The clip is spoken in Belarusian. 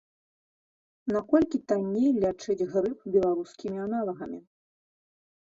Наколькі танней лячыць грып беларускімі аналагамі.